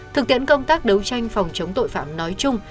thực tiễn công tác đấu tranh phòng chống tội phạm nói chung